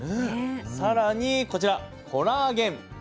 更にこちらコラーゲン。